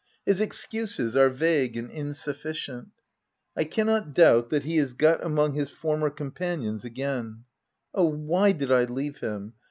His excuses are vague and insufficient. I cannot doubt that he is got among his former companions again — Oh, why did I leave him